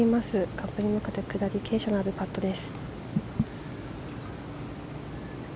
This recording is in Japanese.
カップに向かって下り傾斜のあるパットです。